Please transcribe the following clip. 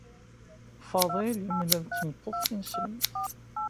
Faḍil yemlal d tmeṭṭut tineslemt.